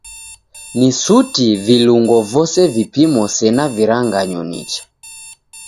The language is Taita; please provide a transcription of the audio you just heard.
Ni suti vilungo vose vipimo sena viranganyo nicha.